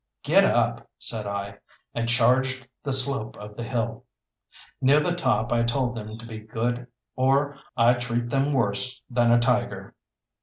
"Get up!" said I; and charged the slope of the hill. Near the top I told them to be good or I'd treat them worse than a tiger.